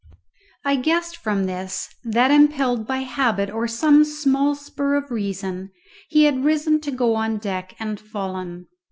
I guessed from this that, impelled by habit or some small spur of reason, he had risen to go on deck and fallen.